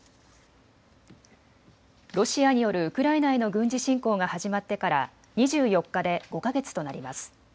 ロシアによるウクライナへの軍事侵攻が始まってから２４日で５か月となります。